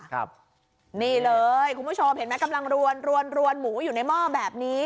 ครับนี่เลยคุณผู้ชมเห็นไหมกำลังรวนรวนรวนหมูอยู่ในหม้อแบบนี้